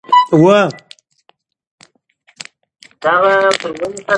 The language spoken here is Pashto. ځواني د کار او ګټلو وخت دی.